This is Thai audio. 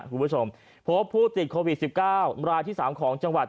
คุณผู้ชมพบผู้ติดโควิด๑๙รายที่๓ของจังหวัด